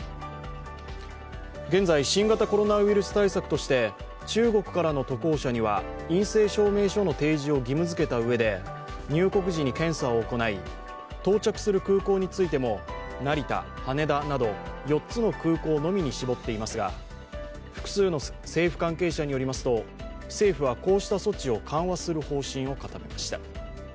現在、新型コロナウイルス対策として中国からの渡航者には陰性証明書の提示を義務づけたうえで入国時に検査を行い到着する空港についても成田、羽田など４つの空港のみに絞っていますが複数の政府関係者によりますと、政府はこうした措置を緩和する方針を固めました。